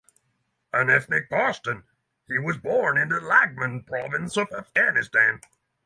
An ethnic Pashtun, he was born in the Laghman Province of Afghanistan.